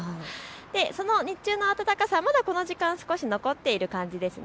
その日中の暖かさ、まだこの時間、少し残っている感じですね。